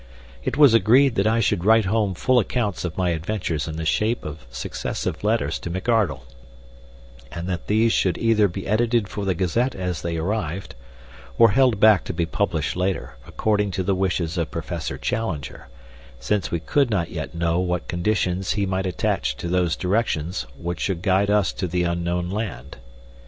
It was agreed that I should write home full accounts of my adventures in the shape of successive letters to McArdle, and that these should either be edited for the Gazette as they arrived, or held back to be published later, according to the wishes of Professor Challenger, since we could not yet know what conditions he might attach to those directions which should guide us to the unknown land.